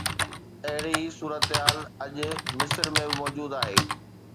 اهڙي ئي صورتحال اڄ مصر ۾ به موجود آهي.